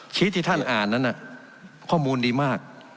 ชีวิตที่ท่านอ่านนั้นน่ะข้อมูลดีมาก